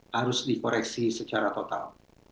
harus dikoreksi secara total